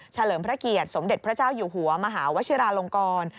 เลิมพระเกียรติสมเด็จพระเจ้าอยู่หัวมหาวชิราลงกร